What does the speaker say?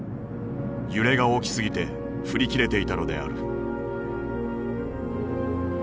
揺れが大きすぎて振り切れていたのである。